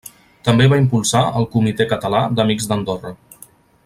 També va impulsar el Comitè Català d'Amics d'Andorra.